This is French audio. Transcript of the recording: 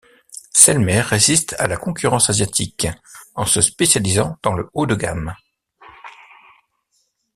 Selmer résiste à la concurrence asiatique en se spécialisant dans le haut de gamme.